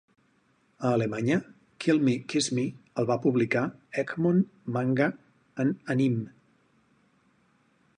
A Alemanya "Kill Me, Kiss Me" el va publicar Egmont Manga and Anime.